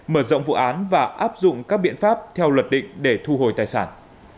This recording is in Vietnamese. mở rộng vụ án và áp dụng các biện pháp theo luật định để thu hồi tài sản